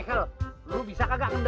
aduh menenang lu